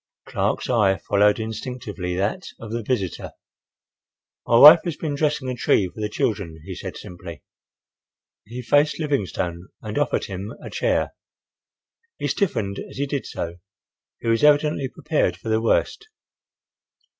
Clark's eye followed instinctively that of the visitor. "My wife has been dressing a tree for the children," he said simply. He faced Livingstone and offered him a chair. He stiffened as he did so. He was evidently prepared for the worst.